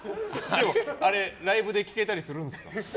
あれ、ライブで聴けたりするんですか？